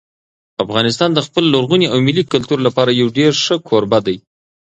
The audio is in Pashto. افغانستان د خپل لرغوني او ملي کلتور لپاره یو ډېر ښه کوربه دی.